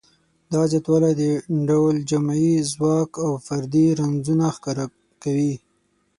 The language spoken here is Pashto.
دا زیاتوالی د ډول جمعي ځواک او فردي رنځونه ښکاره کوي.